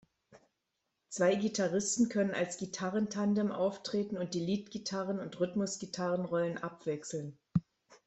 Zwei Gitarristen können als Gitarren-Tandem auftreten und die Lead-Gitarren- und Rhythmus-Gitarrenrollen abwechseln.